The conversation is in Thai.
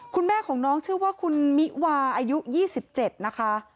คุณแม่ของน้องชื่อว่าคุณมิวาอายุ๒๗นะคะ